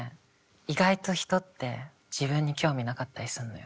意外と人って自分に興味なかったりするのよ。